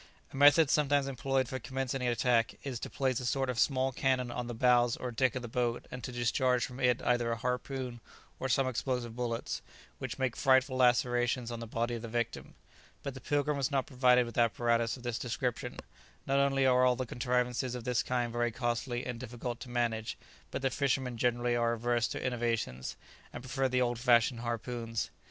A method sometimes employed for commencing an attack is to place a sort of small cannon on the bows or deck of the boat and to discharge from it either a harpoon or some explosive bullets, which make frightful lacerations on the body of the victim; but the "Pilgrim" was not provided with apparatus of this description; not only are all the contrivances of this kind very costly and difficult to manage, but the fishermen generally are averse to innovations, and prefer the old fashioned harpoons.